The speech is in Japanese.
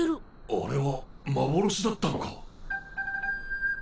あれは幻だったのか。